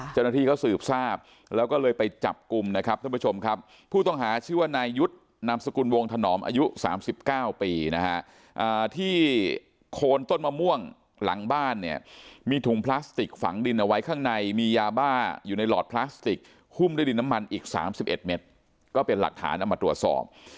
เจ้าหน้าที่เขาสืบทราบแล้วก็เลยไปจับกลุ่มนะครับท่านผู้ชมครับผู้ต้องหาชื่อว่านายยุทธ์นามสกุลวงถนอมอายุ๓๙ปีนะฮะที่โคนต้นมะม่วงหลังบ้านเนี่ยมีถุงพลาสติกฝังดินเอาไว้ข้างในมียาบ้าอยู่ในหลอดพลาสติกหุ้มด้วยดินน้ำมันอีก๓๑เม็ดก็เป็นหลักฐานเอามาตรวจสอบ